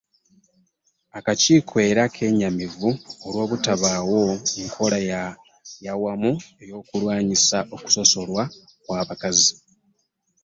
Akakiiko era kennyamivu olw’obutabaawo nkola ya wamu ey’okulwanyisa okusosolwa kw’abakazi.